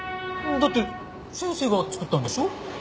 だって先生が作ったんでしょ？